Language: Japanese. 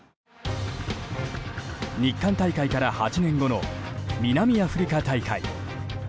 日韓大会から８年後の南アフリカ大会。